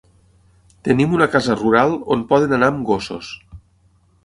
Tenim una casa rural on poden anar amb gossos.